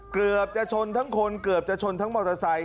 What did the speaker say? เกือบจะชนทั้งคนเกือบจะชนทั้งมอเตอร์ไซค